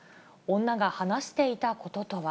女が話していたこととは。